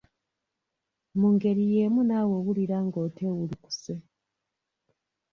Mu ngeri yeemu naawe owulira ng'oteewulukuse